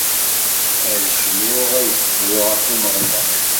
Ad cnuɣ, ad ssefruɣ ɣef Umeɣlal.